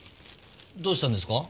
どうしたんですか？